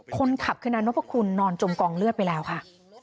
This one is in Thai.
คนขับขนาดน้ำพระคุณนอนจมกองเลือดไปแล้วค่ะ